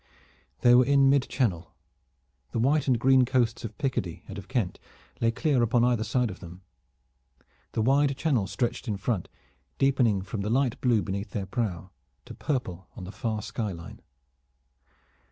They were in mid channel. The white and green coasts of Picardy and of Kent lay clear upon either side of them. The wide channel stretched in front, deepening from the light blue beneath their prow to purple on the far sky line.